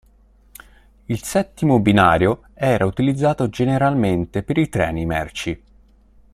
Il settimo binario era utilizzato generalmente per i treni merci.